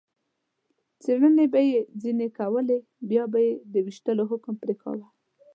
څېړنې به یې ځنې کولې، بیا به یې د وېشتلو حکم پرې کاوه.